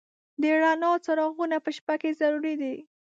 د رڼا څراغونه په شپه کې ضروري دي.